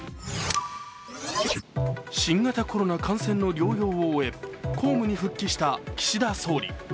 新型コロナ感染の療養を終え公務に復帰した岸田総理。